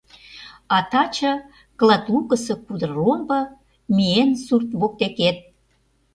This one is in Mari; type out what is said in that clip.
А таче клат лукысо кудыр ломбо Миен сурт воктекет.